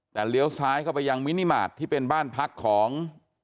แต่เลี้ยวซ้ายเข้าไปยังมินิมาตรที่เป็นบ้านพักของ